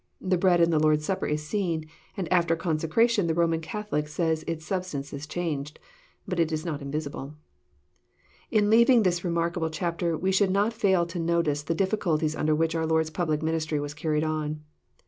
The bread in the Lord's Supper is seen, and after consecration the Roman Cath olic says its substance is changed. Bnt it is not invisible. In leaving this remarkable chapter, we should not fall to no tice the difficulties under which our Lord's public ministry was carried on.